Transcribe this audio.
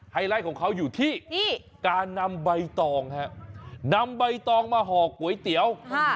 ไลท์ของเขาอยู่ที่การนำใบตองฮะนำใบตองมาห่อก๋วยเตี๋ยว